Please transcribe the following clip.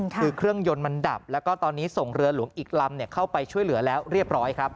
คือเครื่องยนต์มันดับแล้วก็ตอนนี้ส่งเรือหลวงอีกลำเข้าไปช่วยเหลือแล้วเรียบร้อยครับ